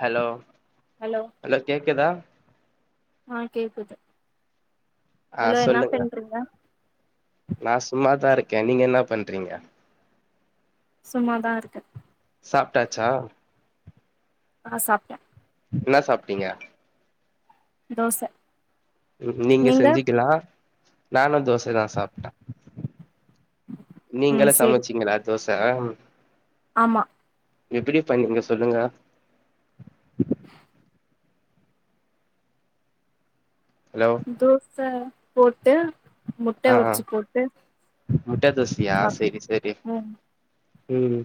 hello hello கேக்குதா ஆஹ் கேக்குது ஆஹ் ஹலோ என்ன சொல்லுங்க பண்றீங்க நா சும்மாதா இருக் கே நீங்க என்ன பண்றீங்க சும்மாதா இருக்க சாப்டாச்சா ஆஹ் சாப்டே என்னா சாப்டீங்க தோச உம் நீங்க செஞ்சுக்கிலா நானு தோசைதா சாப்ட ம் நீங்களே சேரி சமைச்சீங்களா தோஸ் சை ஆமா எப்டி பண்ணீங்க சொல்லுங்க ஹலோ தோச போட்டு முட்ட ஆஹ் உடச்சு போட்டு முட்ட தோசயா சாப்ட்டே செரி செரி ம் உம்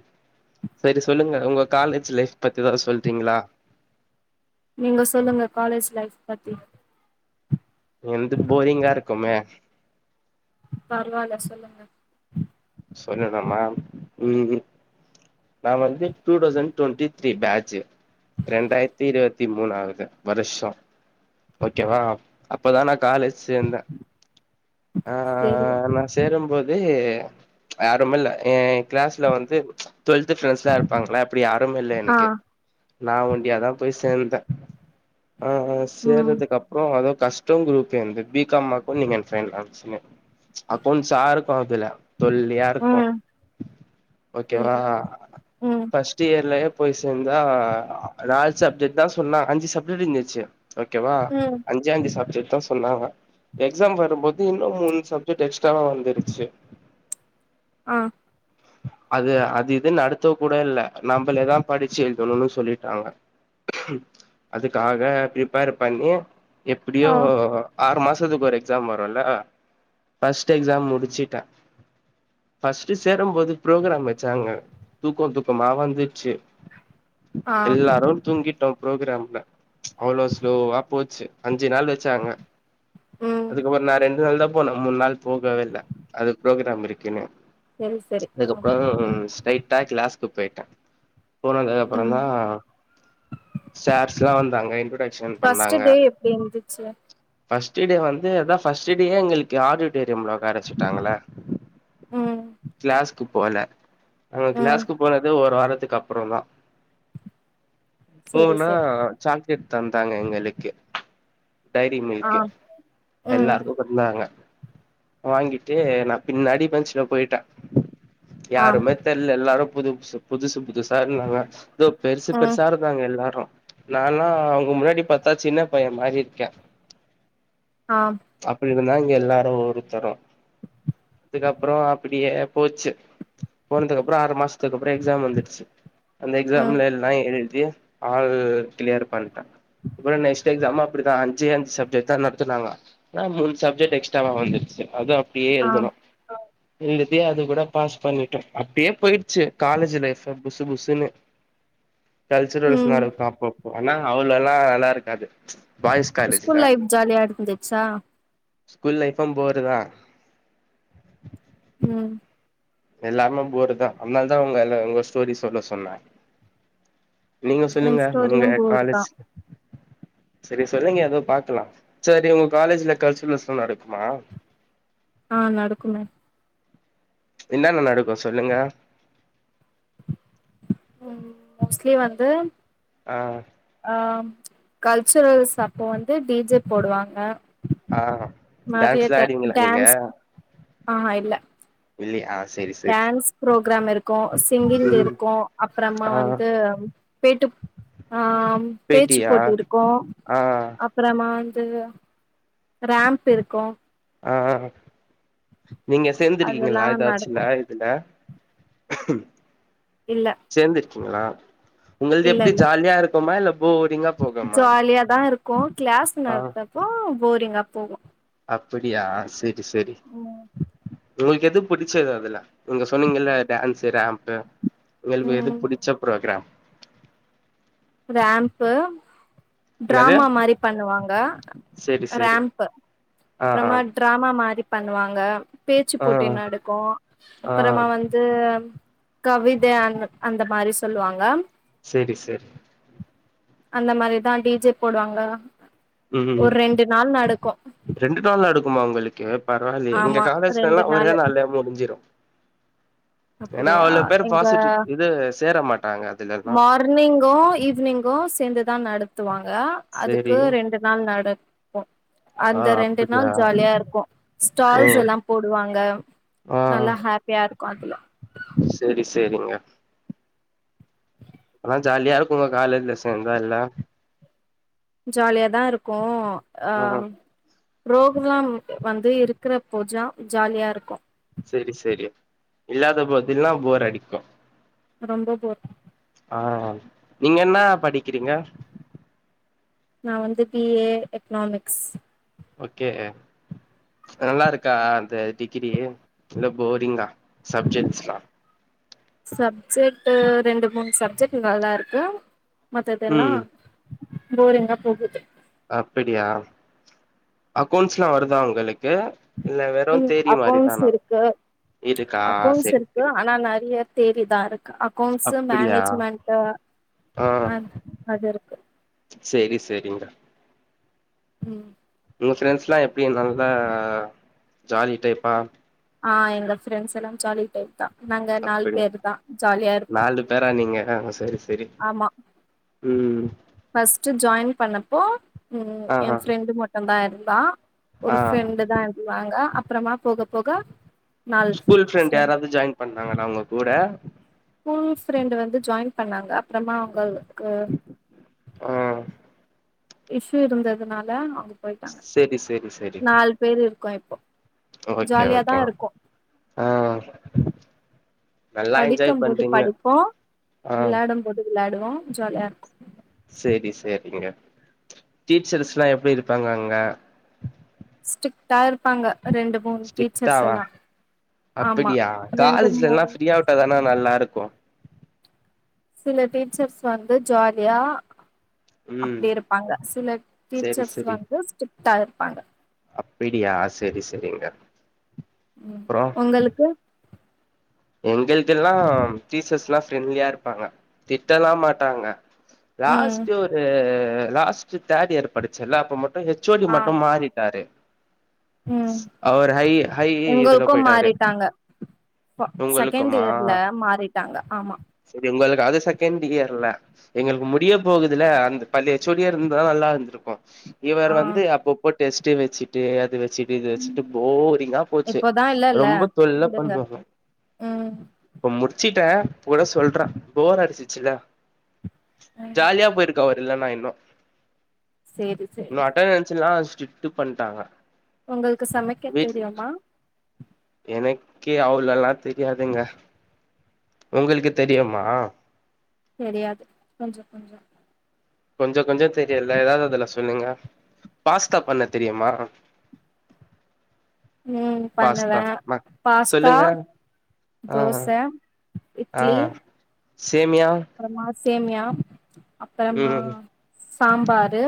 செரி சொல்லுங்க உங்க காலேஜ் லைஃப் பத்தி ஏதாவது சொல்றீங்களா நீங்க சொல்லுங்க காலேஜ் லைஃப் பத்தி எந்து போரிங்கா இருக் க்குமே பரவால சொல்லுங்க சொல்லனுமா ம் நா வந்து two thousand twenty three page ரெண்டாயிரத்தி இருவ த்தி மூணாவது வருஷொ ஓகேவா அப் அப்பதான காலேஜ் சேந்த சேரி ஆஹ்ஹா நா சேரும் போ து யாருமில்ல எ எ கிளாஸ்ல வந்து டுவெல்த் ஃப்ரெண்ட்ஸெல்லா இருப்பாங்கள்ல அப்டி யாரு இல்ல ஆ எனக்கு நா ஒண்டியாதா போய் சேந்தே ஆஹ் ம் சேறதுக்கு அப்புற அதோ கஷ்டம் குரூப் வந்து பீ காமாக்கு நீங்க எ ஃபைனலா சினு அக்கவுண்ட்ஸா இருக்கு அதுல தொல்லியா இருக்கு ம் ஓகேவா சேரி ம் ஃபர்ஸ்ட் இயர்லயே போய் சேந்தா லாஸ்ட் சப்ஜெக்தா சொன்னா அஞ்சு சப்ஜெட்க் இன்னாச்சி ஓகேவா ம் அஞ்சே அஞ்சு சப்ஜெக்ட் த்தோ சொன்னாங்க எக்ஸாம் வரு போ து இன்னும் மூணு சப்ஜெக்ட் எக்ஸ்ட்ராவா வந்துருச்சு ஆஹ் அது அது இது நடத்த கூட இல் நம்மளேதா படிச்சு எழுதணும்னு சொல்லிட்டாங்க அதுக்காக பரிப்பேர் பண்ணி ஆ எப்டியோ ஆறு மாச க்கு ஒரு எக்ஸாம் வரும்ல பஸ்ட் எக்ஸாம் முடிச்சிட்டா பஸ்ட்ட் சேப் வரு போது ப்ரோக்ராம் வச்சாங்க தூக்க தூக்கமா வந்துருச்சு ஆ எல்லாரு தூங்கிட் பரோக்ராம்ல அவ்ளோ ஸ்லோவா போச்சு அஞ்சு நாள் வச்சாங்க ம் அதுக்கப்பற நா ரெண்டு நாள்தாப் போனு மூணு நாள் போகவே இல்ல அது ப்ரோக்ராம் இருக்குன்னு சரி சரி ஆ அதுக்கப்புறோ ஸ்டை டா கிளாஸ்க்கு போயிட்ட போனதுக்கு அப்புறம் ம் தா ஸார்ஸ் சல வந்தாங்க இன்டொடய் பர்ஸ்ட் டே எப்டி இருந்துச்சு ஃபஸ்ட் டே வந்து அதா ஃபர்ஸ்ட் டே எங்களுக்கு ஆடியட்டோரியம்ல உக்கார வெச்சுட்டாங்களா ம் கிளாசக்கு போலே அங்க ம் கிளாஸ்கு போனது ஒரு வாரம் துக்கு அப்புறம் தா சரி போனா சரி ச த்த தந்தாங்க எங்களுக்கு டைரி மில்க் ஆ ம் எல்லாருக்கு கொந்தாங்க வாங்கிட்டு நா பின்னாடி பேன்ச்சல போயிட்டே ஆம் யாருமே தெர்ல எல்லாரு புதுஸ் புதுஸ் புதுஸ் ச இருந்தாங்க இதோ பெருசு ம் பெருசா இருந்தாங்க எல்லாரு நான்ல்லா அவங்க முன்னாடி பாத்தா சின்ன பைய மாறி இருக்கே ஆஹ் [unintelligible] எல்லாரு ஒருத்தரும் அதுக்கப்புறோ அப்டியே போச்சு போனதுக்குப்புறோ ஆறு மாசத்துக்கு அப்புறோ எக்ஸாம் வந்துடுச்சு அந்த ம் எக்ஸாம்ல எல்லா எழுதி ஆல் கிளியர் பண் அ அப்பற நைஸ் எக்ஸாமு அப்டிதா அஞ்சு அஞ்சு சப்ஜெட் தா நடத்துனாங்கா எ மூணு சஜெக்ட் எக்ஸ்ட்ராவா வந்துருச்சு அது அப்டியே ஆம் எழுதனு எழுதி அத கூட பாஸ் பண்ணிட்ட அப்டியே போயிடுச்சு காலேஜ் லைஃப் புசு புசுன்னு கல்ச்சரல்ஸ் ம் நடக்கு அப்பப் ஆனா அவளலெல்லா நல்லா இருக்காது பாய்ஸ் காலேஜ்ல ஸ்கூல் லைஃப் ஜாலியா இருந்துச்சா ஸ்கூல் லைப்பு போருதா ம் எல்லாமே போருதா அன்னால தா உங்க எல்ல உங்க ஸ்டோரி சொல்ல சொன்ன நீங்க என் சொல்லுங்க ஸ்டோரியு உங்க போர் தா காலேஜ் சரி சொல்லுங்க ஏதோ பாக்கலா சரி ஒங்க காலேஜ்ல கல்ச்சுரல்ஸ்லா நடக்குமா ஆ நடக்குமே என்னன்ன நடக்கு சொல்லுங்க ம் மோஸ்ட்லி வந்து ஆ ஆம் கல்ச்சுரல்ஸ் அப்போ வந்து டிஜே போடுவாங்க ஆ மாிய டான்ஸ்லா ட ஆடுவீங்களா நீங்க டான்ஸ் ஆஹா இல்ல இல்லியா டான்ஸ் ப்ரோக் கிரம் இருக்கு ஸ் சிங்கிங் ம் இருக்கு அப்றமா ஆ வந்து பேட்டு ஆ பேச்சு பேட்டியா போட்டி இருக்கு ஆ அப்றமா அ ராம்ப் இருக்கு ஆஹ் நீங்க அதெல்லா சேந்துருக்கீங்களா நடக்கு ஏதாச்சுல இதுல [inaudible] இல்ல க்கிங்களா உங்கள்து இல்ல எப்டி இல்ல ஜாலியா இருக்குமா இல்ல போரிங்கா போகுமா ஜாலியாதா இருக்கு க்ளாஸ் ஆ நடத்தப்போ போரிங்கா போகு அப்படியா சரி சரி ம் உங்களுக்கு எது புடிச்சது அதுல நீங்க சொன்னீங்கல்ல டன்சு ராம்ப்பு [unintelligible] எது ம் புடிச்ச ப்ரோக்ரம் ராம்ப்பு என்னது ட்ராமா மாரி பண்ணுவாங்க செரி செரி ராம்ப்பு ஆ ஆ அப்றமா ட்ராமா மாரி பண்ணுவாங்க பேச்சு ஆ போட்டி நடக்கு ஆ அப்பறமா வந்து கவித அ அந்த மாரி சொல்லுவாங்க சேரி ச அந்த மாரிதா டிஜே போடுவாங்களா ம் ஒரு ரெண்டு நாள் நடக்கு மாங்கலிக்கேப் பரவாலயே எங்க ஆமா காலேஜ்லலா ரெண்டு ஒரே நாள முடிஞ்சிரு ஏன்னா அப்படியா அவ்ளோ பேர் எங்க பாசிட்டிவ் இது சேர மாட்டாங்க அதுலல்லா மார்னிங்கு ஈவி்னிங்கு சேந்துதா நடப் து வாங் ஆ அதுக்கு செரி ரெண்டு நாள் நடக்கு ஆ அந்த ரெண்டு நாள் அப்படியா ஜாலியா இருக்கு ஓ ஸ்டால்ஸ் எல்லா போடுவாங்க ஆ நல்லா ஹாபியா இருக்கு அதுல செரி செரிங்க [inaudible] அதா ஜாலியா இருக்குங்க காலேஜ்ல சேந்தால்ல ஜாலியாதா இருக்கு ஆ ஆஹ் புரோக்ராம் வந்து இருக்குற போஜா ஜாலியா இருக்கு செரி செரி இல்லாத போதில்லா போர் அடிக்கு ரொம்ப போர் ஆஹ் நீங்க என்ன படிக்கிறீங்க நா வந்து பி ஏ எக்னாமிக்ஸ் ஓகே நல்லாருக்கா அந்த டிகிரி இல்ல போரிங்கா சப்ஜெட்ஸ்லா சப்ஜெக்ட்டு ரெண்டு மூணு சப்ஜெக்ட் நல்லாருக்கு மத்ததேல்லா ம் போரிங்கா போகுது அப்படியா அக்கவுண்ட்ஸ்ல்லா வருதா உங்களு உம் அக்கவுண்ட்ஸ் இருக்கு இருக்கா அக்கௌண்ட்ஸ் செரி இருக்கு செரி ஆனா நெறைய தேரிதாருக் அக்கௌண்ட்ஸ் அப்படியா மேனேஜ்மெண்ட்டு அன் அதுருக்கு சேரி சேரிங்க உம் உங்க ஃப்ரெண்ட்ஸ்லா எப்டி நல்ல அ ஜாலி டைப்பா ஆ எங்க ஃப்ரெண்ட்ஸ்ல்லா ஜாலி டைப் தா நாங்க நாலு அப்படியா பேருதா ஜாலியா இருப்போ ஆஹ் சரி ச ஆமா ஃபஸ்ட்டு ஜாயின் பண்ணப்போ உம் ஆ ஏ ஆ ஃப்ரெண்ட்டு மட்டுந்தா இருந்த ம்மா ஆ ஒரு ஃப்ரெண்டு் தான்னு வாங்க அப்ரமா போக போக நாலு ஸ்கூல் ஃப்ரெண்ட் ஃப்ரெண்டு யாராவது ஜாயின் பண்ணாங்கன்னா அவங்க கூட ஸ்கூல்ஸ் ப்ரெண்டு வந்து ஜாயின் பண்ணாங்க அப்பறமா உங்களுக்கு ஆ இசு இருந்ததுனால போயிட்டாங்க சேரி சேரி சேரி நாலு பேர் இருக்கோ இப் ஓகே ஓகேங்க அஹ் படிக்கும் போது படிப்போ ஆ வெளாடு போது விளாடுவோ ஜாலியா இருக்கு சரி சரிங்க டீச்சர்ஸ் எல்லா எப்படி இருப்பாங்க அங்க ஸ்ட்ரிக்டா இருப்பாங்க ரெண்டு மூணு டீச்சர்ஸ் ஸ்ட்ரிக்ட்டாவா எல்லா ஆமா அப்படியா ரெண்டு காலேஜ்ல எல்லா மூணு பிரியா உட்டா தானா நல்லாருக் குவா சில டீச்சர்ஸ் வந்து ஜாலியா ம் அப்படி இருப்பாங்க சில சேரி டீச்சர்ஸ் சேரி வந்து ஸ்ட்ரிட் தா இருப்பாங்க ப்படியா சரி சரிங்க உம் உங்களுக்கு எங்கிள்குல்லா பீசஸ் எல்லா ஃப்ரெண்ட்லியா இருப்பாங்க திட்டலா மாட்டாங்க ம் லாஸ்ட்டு ஒரு அ லாஸ்ட்டு தேர்ட் இயர் படிச்சல அப்ப மொட் ப்றோ எச் ஓ டி ஆ மட்டு மாறிட்டாரு ம் அவர் ஹை ஹை இதுல உங்களுக்கு போய்ட்டாரு மாறிட்டாங்க ஃப செகண்ட் இயர்ல மாறிட்டாங்க ஆமா எங்களுக்கு அது செகண்ட் இயர் இல எங்களுக்கு முடிய போகுதுல அந்த பழைய எச் ஓ டி யா இருந்துதா நல்லாருந்திருக்கு ஆ இவர் வந்து அப்போ பொட் டெஸ்டு வச்சுட்டு அது வச் வச்சிட்டு இது வச்சுட்டு போரிங்கா போச்சு இப்போதா இல்லல்ல ரொம்ப தொல்ல விடுங்க பண்ணுவாங்க ம் இப்ப முடிச் முடிச்சிட்டே கூட சொல்றா போர் அடிச்சிச்சில ம் ஜாலியா போயிருக்காவரு இல்லன்னா என் நோ சேரி இன்னு சேரி அட்டனன்ஸ்லா சுட்டு பண்ட்டாங்க உங்கள்க்கு சமைக்க தெரியுமா எனக்கே அவளல்லா தெரியாதுங்க உங்களுக்கு தெரியுமா தெரியாது கொஞ்சோ கொஞ்சோ கொஞ்சோ கொஞ்சோ தெரியுல ஏதாவததுல சொல்லுங்க பாஸ்தா பண்ண தெரியுமா உம் பாஸ்தா பண்ணுவேன் ம பாஸ்தா சொல்லுங்க ஆ தோச ஆ இட்லி சேமியா அப்புறமா சேமியா அப்பறமா ம் சாம்பாரு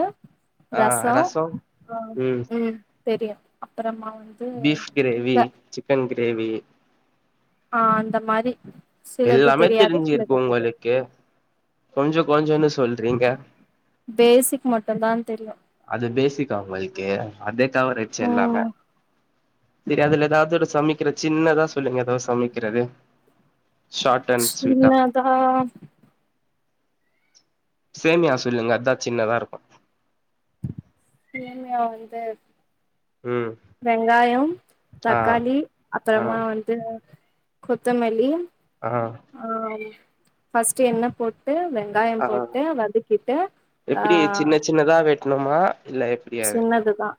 ஆ ரச ரசோ ஆஹ் ம் உம் தெரியு அப்பறமா பீஃப் கிரேவி சிக்கன்க் தேவி ஆஹ் அந்த மாரி சிலது எல்லாமே தெரியாது தெரிஞ்சிருக்கு சிலது தெரியு உங்களுக்கு கொஞ்ச கொஞ்சன்னு சொல்றீங்க பேசிக் மட்டுந்தா தெரியு இது பேசிக்கா உங்கள்கு அதெப் டவரிச்சு எல்லாமே ம் செரி அதுல ஏதாவது ஒரு சமிக் க்கிற சின்னதா சொல்லுங்க ஏதாவது சமைக்கிறது ஷார்ட் அண்ட் ஸ்வீட்டா ஷின்னதா சேமியா சொல்லுங்க அதா சின்னதா இருக்கு சேமியா வந்து ம் வெங்காயம் ஆ தக்காளி ஆ அப்பறமா வந்து கொத்தமல்லி ஆ ஆஹ் ஃபர்ட்ஸ்டு என்ன போட் ட்டு வெங்காயம் ஆ போட்டு வதக்கிட்டு ஆஹ் ட்டுனுமா சின்னதுதா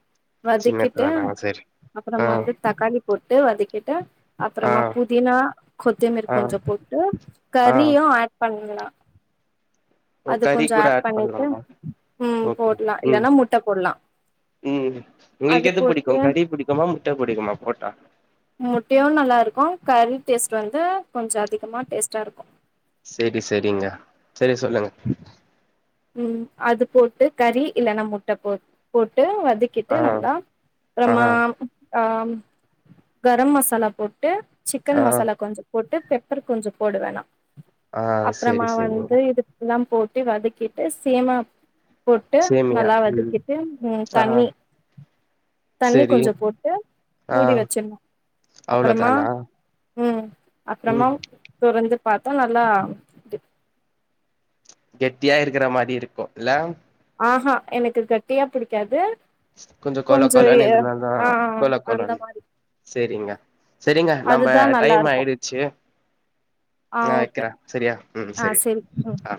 வதக்கிட்டு சின்னதுதானா சரி ஆ அப்பறமா வந்து தக்காளி போட்டு வதக்கிட்டு ஆ அப்றமா புதினா கொத்தமற் ஆ கொஞ்ச போட்டு ஆ கறியும் ஆட் பண் இதெல்லா ஓ அது கறி கொஞ்சோ கூட ஆட் பண்ணிட்டு பண்ணலாமா உம் ஓகே போடலா ம் இல்லன்னா முட்ட போடலா ம் அது உங்களுக்கு எது போட்டு புடிக்கு கறி புடிக்குமா முட்ட புடிக்குமா போட்டா முட்டையு நல்லா இருக்கு கறி டேஸ்ட் வந்து கொஞ்ச அதிகமா டேஸ்ட்டா இருக்கு செரி செரிங்க சரி சொல்லுங்க உம் அது போட்டு கறி இல்லனா முட்ட போ போட் ட்டு வதக்கிட்டு ஆ நல்லா ஆ அப்பறமா ஆஹ்ம் கரம் மசாலா போட்டு ஆ சிக்கன் மசாலா கொஞ்ச போட்டு பெப்பர் கொஞ்ச போடு வேணா ஆ சரி அப்பறமா சரிங்க வந்து இதுக்கலாம் போட்டு வதக்கி ட்டு சேமா போட்டு சேமியா நல்லா ம் வதக்கிட்டு உம் ஆ தண்ணி தண்ணி சரி கொஞ்ச போட்டு ஆ மூடி வச்சிர்ணு அப்பறமா அவ்ளோதானா ம் அப்புறமா தொறந்து பாத்தா நல்லா கெட்டியா இருக்கிற மாரி இருக்கு இல்ல ஆஹா எனக்கு கெட்டியா புடிக்காது கொஞ்ச கொல கொஞ்சோ கொலனு இருந்தாதா ஆ கொல அந்த கொலன் மாரி சரிங்க சரிங்க நம்ம அதுதா நல்லா டைம் இருக்கு ஆயிடுச்சு ஆ நா ஓகே வைக்கிறே சரியா ம் ஆ சரி ம் ஆ